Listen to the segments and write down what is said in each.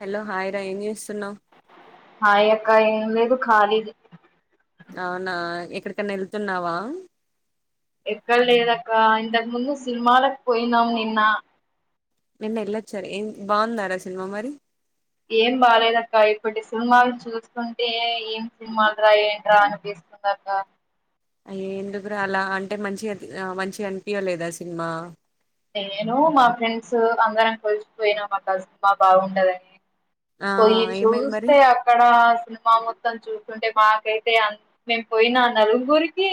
Hello హాయిరా ఏంజేస్తున్నవ్? హాయ అక్క ఏం లేదు ఖాళిగె అవునా, ఎక్కడికన్న ఎళ్తున్నావా? ఎక్కడ లేదక్కా, ఇంతక్ముందు సినిమాలకు పోయినాం నిన్న. నిన్న ఎళ్ళొచ్చారు ఏం బావుందార సినిమా మరి? ఏం బాలేదక్క, ఇప్పటి సినిమాలు చూస్తుంటే ఏం సినిమాలు రా ఏంట్రా అనిపిస్తుందక్క. అయ్యో ఎందుకురా అలా అంటే మంచి మంచిగన్పియలేదా సినిమా? నేను, మా ఫ్రెండ్స్ అందరం కలిసిపోయినామక్క సినిమా బాగుంటదని ఆ పోయి ఏమైంది మరి చూస్తే అక్కడ సినిమా ఓ త్తం చూస్తుంటే మాకైతే మేము పోయిన నలుగురికి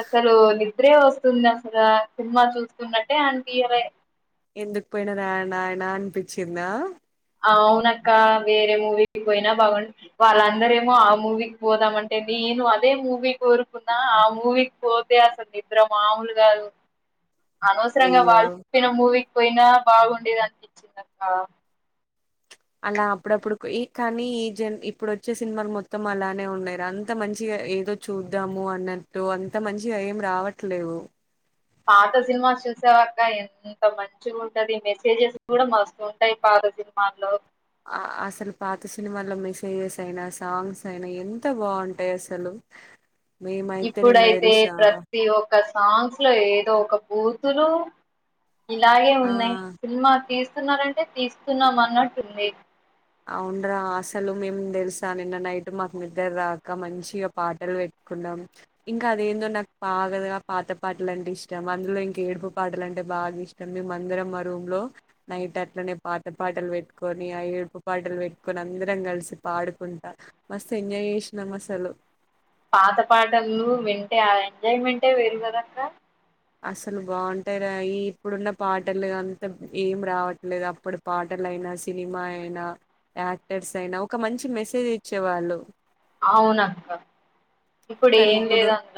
అసలు నిద్రే వస్తుందసలు, సినిమా చూస్తున్నట్టే అన్పియలే. ఎందుకు పోయిన రా నాయన అనిపిచ్చిందా? అవునక్క వేరే మూవీకి పోయినా బాగుండు, వాళ్ళందరేమో ఆ మూవీకి పోదామంటే నేను అదే మూవీ కోరుకున్నా, ఆ మూవీకి పోతే అసలు నిద్ర మాములుగాదు. అనవసరంగా అయ్యో వాళ్చెప్పిన మూవీక్ పోయినా బాగుండేదనిపించిందక్క. అలా అప్పుడప్పుడు కొ ఈ కనీ ఈ జన్ ఇప్పుడోచ్చే సినిమాలు మొత్తం అలానే ఉన్నయిరా, అంత మంచిగా ఏదో చూద్దాము అన్నట్టు అంత మంచిగా ఏం రావట్లేవు. పాత సినిమా చూసావాక్క ఎంత మంచిగుంటది, మెసేజెస్ గూడ మస్తుంటయి పాత సినిమాల్లో. ఆ అసలు పాత సినిమాల్లో మెసేజెస్ అయినా, సాంగ్స్ అయినా ఎంత బాగుంటయసలు. ఇప్పుడైతే ప్రతీ ఒక్క సాంగ్స్ లో ఏదో ఒక బూతులు ఇలాగే ఆ ఉన్నాయి, సినిమా తీస్ తీస్తున్నారంటే తీస్తున్నాం అన్నట్టుంది. అవునరా అసలు మేము తెలుసా నిన్న నైట్ మాకు నిద్ర రాక మంచిగా పాటలు పెట్టుకున్నాం ఇంకా అదేందో నాకు బాగా పాత పాటలు అంటే ఇష్టం అందులో ఇంకా ఏడుపు పాటలు అంటే బాగా ఇష్టం మేమందరం మా రూమ్ లో నైట్ అట్లనే పాత పాటలు పెట్టుకొని ఆ ఏడుపు పాటలు పెట్టుకొని అందరం కలిసి పాడుకుంటా మస్తు ఎంజాయ్ చేషినాం అసలు పాత పాటలు వింటే ఆ ఎంజాయ్ మెంటే వేరు కదక్క అస్సలు బావుంటాయి రా ఈ ఇప్పుడున్న పాటలు అంత ఏం రావట్లేదు అప్పుడు పాటలయినా సినిమా అయినా యాక్టర్స్ అయినా ఒక మంచి మెసేజ్ ఇచ్చేవాళ్ళు అవునక్క ఇప్పుడు ఏం లేదక్క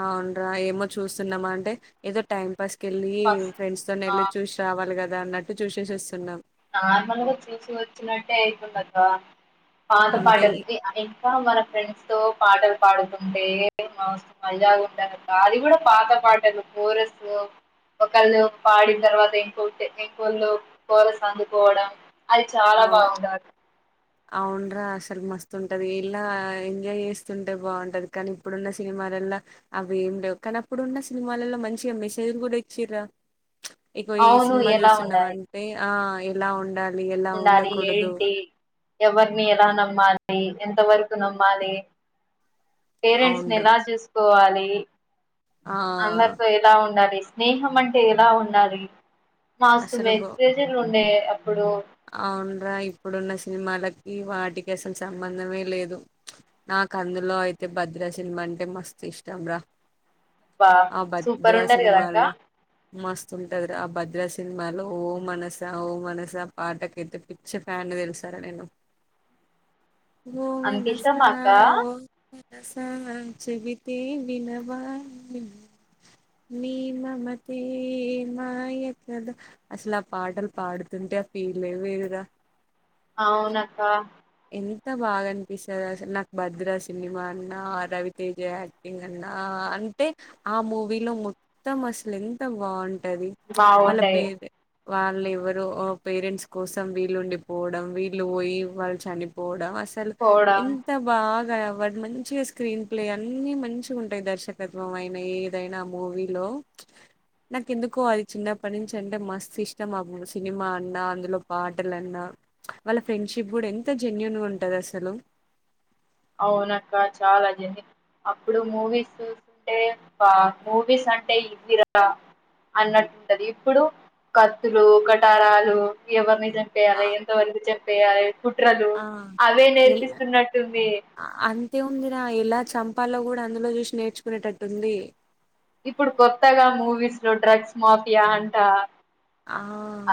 అవునురా ఏమో చూస్తున్నమూ అంటే ఏదో టైం బస్ కెళ్ళి ఫస్ట్ ఫ్రెండ్స్ ఆ తోనెవెళ్లి చూసి రావాలి కదా అదా అన్నట్టు చూసేసొస్తున్నాం నార్మల్గా చూసి వచ్చినట్టే అయితుందక్కా పాత అంతే ఇ పాటలకి ఇంకా మన ఫ్రెండ్స్ తో పాటలు పాడుతుంటే మా [inaudible] అది కూడా పాత పాటలు కోరస్ ఒకళ్ళు పాడిన తర్వాత ఇంక ఇంకోళ్ళు అందు కోవడం అది చాలా ఆ బావుంటది అవునరా అసలు మస్తుంటది ఇలా ఎంజాయ్ చేస్తుంటే బావుంటది కానీ ఇప్పుడున్న సినిమాలలో అవి ఏం లేవు కానీ అప్పుడున్న సినిమాలలో మంచిగా మెసేజ్లు కూడా ఇచ్చిర్రా ఇగొ ఈ అవును సినిమా ఎలా ఉండాలి చూస్తున్నావంటే ఆ ఎలా ఉండాలి ఎలా ఉండాలి ఉండకూడదు ఏంటి ఎవరిని ఎలానమ్మా అయి ఎంతవరకు నమ్మాలి పేరెంట్స్ ని అవున్రా ఎలా చూసుకోవాలి ఆ [unintelligible] అందరితో ఎలా ఉండాలి స్నేహం అంటే ఎలా ఉండాలి మాస్త్ అసలు బో మెసేజ్ లు ఉండేయి అప్పుడు అవున్రా ఇప్పుడున్న సినిమాలకి వాటికి అసలు సంబంధమే లేదు నాకు అందులో అయితే భద్రా సినిమా అంటే మస్తు ఇష్టం రా బా సూపర్ ఉంటది కదక్క మస్తుంటది ఆ భద్రా సినిమాలో ఓ మనస ఓ మనస పాటకైతే పిచ్చ ఫ్యాన్ ని తెలుసారా నేను ఓం అంత ఇష్టమా మనసా అక్క ఓ మ సా చెబితే వినవా నువ్వు నీ మమతే మాయ కద అసలు ఆ పాటలు పాడుతుంటే ఫీలే వేరురా అవునక్కా ఎంత బాగా అనిపిస్తదసలు నాకు భద్ర సినిమా అన్నా ఆ రవితేజ యాక్టింగ్ అన్నా అంటే ఆ మూవీలో మొత్తం అసలు ఎంత బావుం ది వాళ్ళ బాగుంటాయి పేది వాళ్ళు ఎవరో పేరెంట్స్ కోసం వీళ్ళుండిపోవడం వీళ్ళు పోయి వాళ్ళు కనిపోవడమాస్ సలు పోవడం ఎంత బాగ్ కాయ వాడ్ మంచిగా స్క్రీన్ ప్లే అన్ని మంచిగా ఉంటాయి. దర్శకత్వం అయిన ఏదైనా మూవీలో. నాకు ఎందుకో అది చిన్నప్పటి నుంచి అంటే మాస్ ఇష్టం. మాబు ఆ సినిమా అన్నా అందులో పాటలన్నా వాళ్ళ ఫ్రెండ్షిప్ కూడా ఎంత్ ఎంత జెన్యూన్గా ఉంటది. అసలు అవునక్క చాలా జంది. అప్పుడు మూవీస్ చూస్తుంటే వావ్ మూవీస్ అంటే ఇదిరా అన్నట్టుంటది. ఇప్పుడు కత్తులు కటారాలు ఎవరిని తంటే ఆ అరేందో అనికి చెప్పు పేయైస్ కుట్రలు ఆ అవే ఎల్ నేర్పిస్తున్నట్టుంది. అంతే ఉందిరా. ఎలా చంపాలో కూడా అందులో చూసి నేర్చుకునేటట్టుంది. ఇప్పుడు కొత్తగా మూవీస్ లో డ్రగ్స్ మాఫియా అంటా. ఆ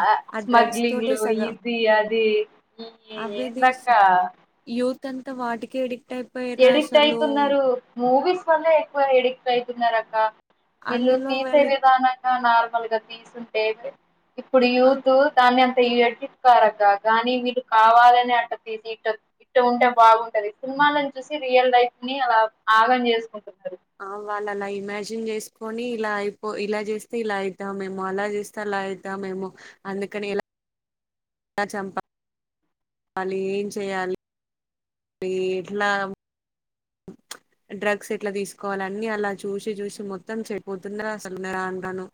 ఆ డ్రగ్స్ తోటే స్మగ్లింగ్లు సగం ఇది అది ఈ ఎందక్కా కనక వాటికేడి ఎడిక్ట్ అయితున్నారు. మూవీస్ వల్ల ఎక్కువ ఎడిక్ట్ అయితున్నారు అక్ కా వీళ్ళు అందులో తీసే వాళ్ళు విధానంగా నార్మల్ గా తీసు ఏంది ఇప్పుడు ఆ యూత్తు ధాన్యం ట్రియ్యర్చిప్ కాదక్క కానీ నీకు కావాలనే అట్ట తీసి ఇట్ ఇటు ఉంటే బావుంటది. సినిమాలన్ చూసి రియల్ లైఫ్ ని అలా ఆగం చేసుకుండు. ఇలాల ఇమాజిన్ చేసుకొని ఇలా అయిపో ఇలా చేస్తే ఇలా అయితమేమో అలా చేస్తే అలా అయితమేమో అందుకనే ఇలా టాచంపా వాలి ఏం చేయాలి. మరి ఎట్లా డ్రగ్స్ ఎట్లా తీసుకోవాలి. అన్ని అలా చూసి చూసి మొత్తం చెడపోతుందురా అసలు రాన్ రాను.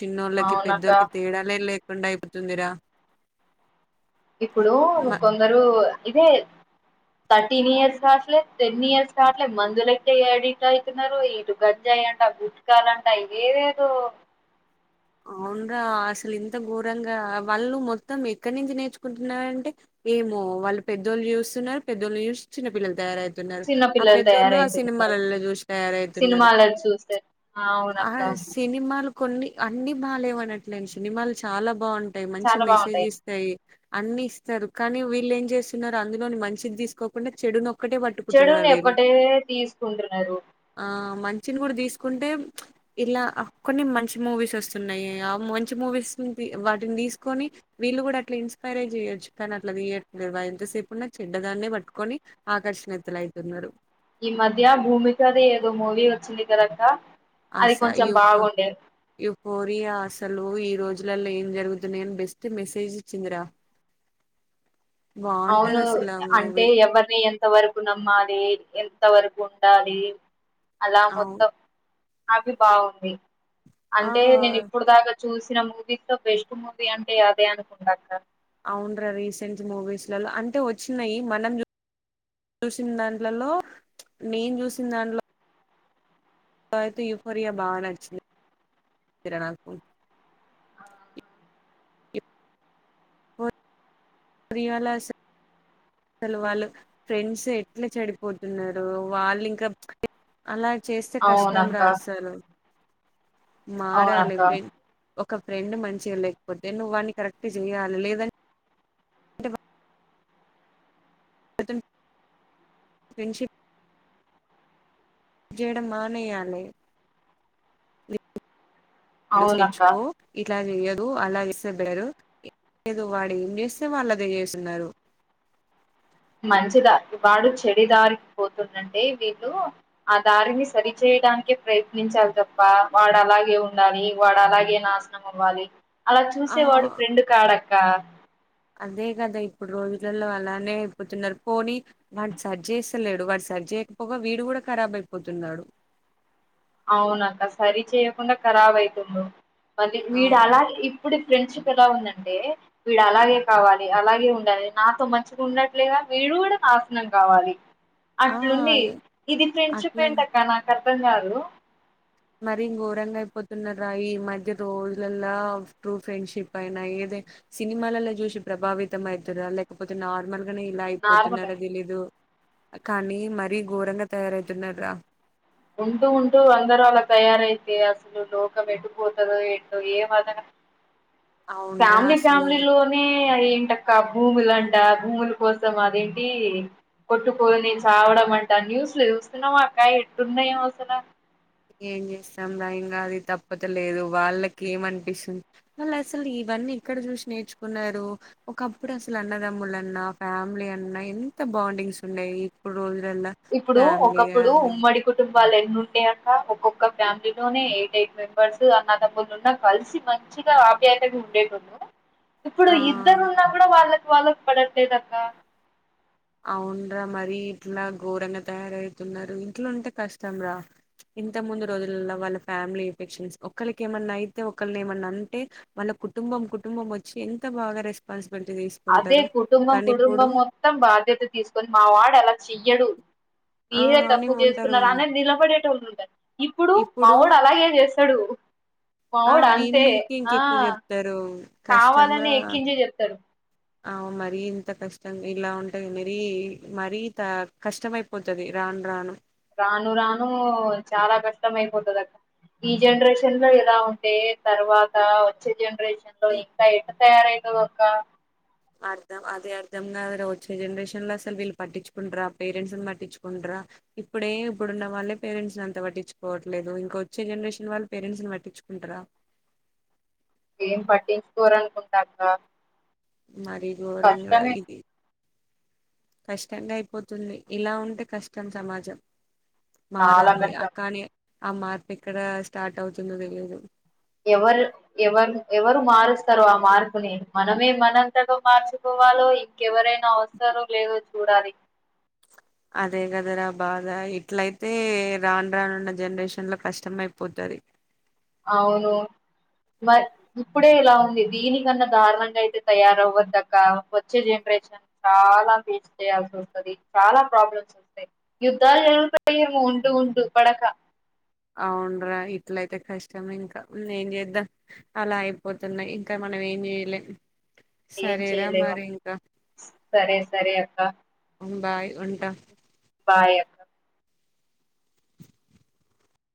చిన్నోళ్ళకి అవునక్క పెద్దోళ్ళకి తేడానేలేక్ రెండుయిపుతుందిరా ఇప్పుడో కొందరో ఇదే థర్టీన్ ఇయర్స్ కాట్లే టెన్ ఇయర్స్ కాట్లే మందులతే ఎడిక్ట్ అయితున్నారు ఇటు గంజాయి అంట గుట్కాలుంట ఏదేదో అవున్రా అసలు ఇంత ఘోరంగా వాళ్ళు మొత్తం ఎక్కడి నుంచి నేర్చుకుంటున్నారంటే ఏమో వాళ్ళు పెద్దోళ్ళు చూసున్నారు. పెద్దోళ్ళు చూసి చిన్నపిల్లలు తయారత్ తున్నారు. చిన్న ఆ పిల్లలు పెద్దోళ్ళు ఆ తయారవుతున్నారు సినిమాలలో చూసి తయారైతున్నారు. సినిమాలను చూస్తే ఆ అవునక్క సినిమాలు కొన్ని అన్ని బాలేవనట్లేన్ చినిమాలు చాలా బావున్ టై మంచి చాలా మెసేజ్ బాగుంటాయి ఇస్తాయ్ అన్ని ఇస్తరు. కానీ వీళ్ళు ఏం చేసున్నారు అందులోని మంచిది తీసుకోకుండా చెడు నొ చెడుని నేకోటే తీసుకుంటున్నారు. ఆ మంచిని గూడా దిసుకుంటెమ్ ఇలా ఆ కొన్ని మంచి మూవీస్ వస్తున్నాయి. ఆ మంచి మూవీస్ వాటిని తీసుకొని వీళ్ళు కూడా అట్లా ఇన్సపైరై జేయొచ్చు. కాని అట్లా దియట్లే ఎంత సేపు ఉన్నా చెడ్డదాన్నే పట్టుకొని ఆకర్షణీతులు అయితున్నారు. ఈ మధ్య భూమికది ఏదో మూవీ వచ్చింది కాదక్క అస యుఫు యుఫోరియా అసలు ఈ రోజులలో ఏం జరుగుతున్నా అని బెస్ట్ మెసేజ్ ఇచ్చిందిరా అవును బాగుంటది అసలు ఆ అంటే మూవీ ఎవరిని ఎంత వరకు నమ్మాలి ఇంత వరకు ఉండాలి అలా అవు మొత్తం అవి బాగుంది ఆ అంటే నేను ఇప్పుడు దాగ చూసిన మూవీస్ లో బెస్ట్ మూవీ అంటే అదే అనుకుంటాక్క అవునురా రీసెంట్ మూవీస్లలో అంటే వచ్చినాయి మనం చూసిన దాంట్లలో నేను చూసిన దాంట్లో దాంట్లో అయితే యుఫోరియా బాగా నచ్చింది రా నాకు రవాళ స అసలు వాళ్ళు ఫ్రెండ్స్ ఎట్లా చెడిపోతున్నారు వాళ్ళు ఇంకా అలా చేస్తే కష్టం రా అవునక్క అసలు మారాలి అవునక్క ఒక ఫ్రెండ్ మంచిగా లేకపోతే నువ్వువాని కరెక్ట్ చేయాలి లేదని విష [inaudible] చేయడ మానేయాలి చూసి అవునక్క నేర్చుకో ఇలా చేయదు అలా చేస్తేరు ఏదు వాడు ఏం చేస్తే వాళ్ళు అదే చేస్తున్నారు మంచిదారి వాడు చెడి దారికి పోతుందంటే వీళ్ళు ఆ దారిని సరిచేయడానికే ప్రయత్నించాలి తప్ప వాడు అలాగే ఉండాలి వాడు అలాగే నాశనం అవ్వాలి అలా ఆ చూసేవాడు ఫ్రెండ్ కాడు అక్క అక్క అదే కదా ఇప్పుడు రోజులలో అలానే అయిపోతున్నారు పోనీ వాటి సరి చేస్తలేడు వాటి సరి చేయకపోగా వీడు కూడా ఖరాబ్ అయిపోతున్నాడు అవునక్క సరి చేయకుండా ఖరాబ్ అయితుండు మ విడు అవును అలాగే ఇప్పుడు ఫ్రెండ్షిప్ ఎలా ఉందంటే వీడు అలాగే కావాలి అలాగే ఉండాలి నాతో మంచిగా ఉండట్లేగా వీడు కూడా నాశనం కావాలి ఆ అట్లుంది ఇది ఫ్రెండ్షిప్ అట్లా ఏంటక్క నాకు అర్థం అర్థం కాదు మరి ఘోరంగా అయిపోతున్న రా ఈ మధ్య రోజులలో ట్రూ ఫ్రెండ్షిప్ అయినా ఏదైనా సినిమాలలో చూసి ప్రభావితం అవుతుర లేకపోతే నార్మల్ అగనే ఇలా నార్మల్ ఇయిపోతున్నరా తెలీదు కానీ మరీ ఘోరంగా తయారైతున్నాడు రా ఉంటూ ఉంటూ అందరుూ అలా తయారైతే అసలు లోకం ఎటుపోతాడే ఏంటో ఏం అర్థం అవునరా ఫ్యామిలీ అసలు ఫ్యామిలీ లోనే ఏంటక్క భూములు అంట భూముల కోసం అదేంటి కొట్టుకోలుని చావడం అంట న్యూస్లు చూస్తున్నామా అక్క ఎట్లున్నాయో అసల ఏం చేస్తాం భయంగా అది తప్పత లేదు వాళ్ళకి ఏమ అనిపిస్తుంది వాళ్ళు అసలు ఇవన్నీ ఇక్కడ చూసి నేర్చుకున్నారు ఒకప్పుడు అసలు అన్నదమ్ముల అన్నా ఫ్యామిలీ అన్నా ఎంత బాండింగ్స్ ఉండయి ఇప్పుడు రోజులల్లా ఇప్పుడు ఫ్యామిలీ ఒకప్పుడు అండి ఉమ్మడి కుటుంబం వాళ్ళు ఎన్న ఉండేయక్క ఒక్కొక్క ఫ్యామిలీతో నే ఎయిట్ ఎయిట్ మెంబర్స్ అన్న తమ్ములు ఉన్నా కలిసి మంచిగా ఆప్యాయతంగా ఉండేటు ఇప్పుడు ఆ ఇద్దరు ఉన్నా కూడా వాళ్ళ వాళ్లకు పడట్లేదు అక్క అవున్రా మరీ ఇట్లా ఘోరంగా తయారవుతున్నారు ఇట్లా ఉంటే కష్టం రా ఇంత ముందు రోజులల్లా వాళ్ళ ఫ్యామిలీ ఎఫెక్షన్స్ ఒకళ్ళకి ఏమన్నా అయితే ఒకలిని ఏమన్నా అంటే వాళ్ళ కుటుంబం కుటుంబం వచ్చి ఎంత బాగా రెస్పాన్స్ అదే కుటుంబం కుటుంబం మొత్తం బాధ్యత తీసుకొని మా వాడు అలా చెయ్యడు ఆ మీరే అని తప్పు ఉంటారు చేస్తున్నారు అనీ నిలబడేటోళ్లు ఇప్పుడు మావోడు అలాగే చేస్త స్తాడు ఆ మావోడు వీని అంతే మీదకి ఆ ఇంకెక్కువ చెప్తారు కావాలనే ఎక్కించే చెప్తారు అవును మరీ ఇంత కష్టం ఇలా ఉంటే మరీ మరీ కష్టం అయిపోతది రాను రాను రాను రాను చాలా కష్టం అయిపోతుంది అక్క ఈ జనరేషన్ లో ఎలా ఉంటే తర్వాత వచ్చే జన్ రేషన్లో ఇంకా ఎలా తయారు అయితదో అక్క అర్ధం అదే అర్థం కాదు వచ్చే జనరేషన్ లో అసలు వీళ్ళు పట్టించుకుంటార పేరెంట్స్ని పట్టించుకుంటారా ఇప్పుడే ఇప్పుడున్న వాళ్ళే పేరెంట్స్ ని అంత పట్టించుకోవట్లేదు ఇంకా వచ్చే జనరేషన్ వాళ్ళు పేరెంట్స్ ని పట్టించుకుంటార ఏం పట్టించుకోరూ అనుకుంటా అక్క మరి గోరం రా కష్టమే ఇది కష్టంగా అయిపోతుంది ఇలా ఉంటే కష్టం సమాజం చాలా మారాలి అ కష్టం కాని ఆ మార్పు ఎక్కడ స్టార్ట్ అవుతుందో తెలియదు ఎవరు ఎవరు ఎవరు మారుస్తారు ఆ మార్పుని మనమే మనంతటగా మార్చుకోవాలో ఇంకెవరైనా వస్తారో లేదో చూడాలి అదే కదా రా బాధ ఇట్లయితే రాను రానున్న జనరేషన్లో కష్టం అయిపోతాది అవును మరి ఇప్పుడే ఇలా ఉంది దీనికన్నా దారుణంగా అయితే తయారయవద్దు అక్క వచ్చే జనరేషన్ చాలా ఫేస్ చేయాల్సి వస్తుంది చాలా ప్రాబ్లమ్స్ వస్తాయి యుద్ధాలు జరుగుతాయేమో ఉంటూ ఉంటూ పడక అవునరా ఇట్లయితే కష్టం ఇంకా ఏం చేద్దాం అలా అయిపోతున్నాయి ఇంకా మనం ఏం చేయలేం ఏం సరేరా చేయలేవా మరి ఇంకా సరే సరే అక్క బాయ్ ఉంటా బాయ్ అక్క